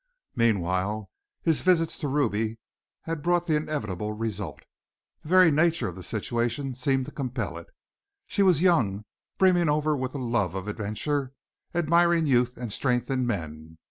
Meanwhile, his visits to Ruby had brought the inevitable result. The very nature of the situation seemed to compel it. She was young, brimming over with a love of adventure, admiring youth and strength in men.